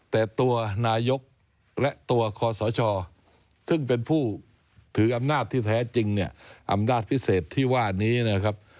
แต่ตัวนายกและตัวคอสชซึ่งเป็นผู้ถืออำนาจที่แท้จริงเนี่ยอำนาจพิเศษที่ว่านี้นะครับ